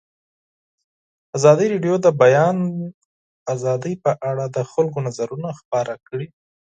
ازادي راډیو د د بیان آزادي په اړه د خلکو نظرونه خپاره کړي.